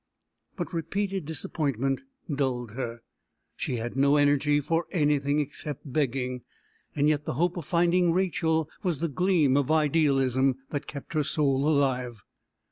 But repeated disappointment dulled her. She had no energy for anything except begging. Yet the hope of finding Rachel was the gleam of idealism that kept her soul alive.